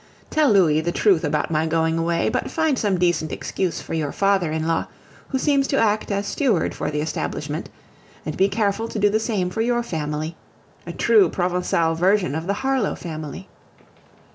Tell Louis the truth about my going away, but find some decent excuse for your father in law, who seems to act as steward for the establishment; and be careful to do the same for your family a true Provencal version of the Harlowe family.